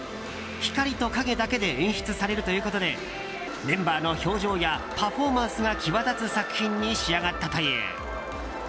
光と影だけで演出されるということでメンバーの表情やパフォーマンスが際立つ作品に仕上がったという。